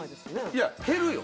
「いや減るよ」